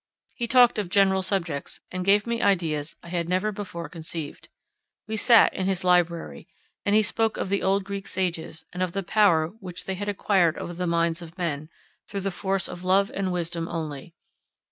He talked of general subjects, and gave me ideas I had never before conceived. We sat in his library, and he spoke of the old Greek sages, and of the power which they had acquired over the minds of men, through the force of love and wisdom only.